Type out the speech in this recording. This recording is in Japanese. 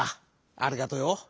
ありがとうよ。